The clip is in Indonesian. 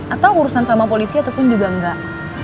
atau urusan sama polisi ataupun juga enggak